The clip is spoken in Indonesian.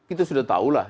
itu sudah tahu lah